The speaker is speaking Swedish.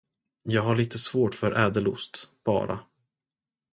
Jag har lite svårt för ädelost, bara.